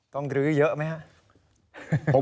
ต้องรื้อเยอะไหมครับ